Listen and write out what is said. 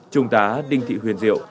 trung tá đinh thị huyền diệu